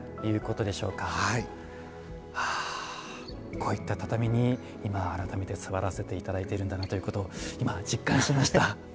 こういった畳に今改めて座らせて頂いてるんだなということを今実感しました。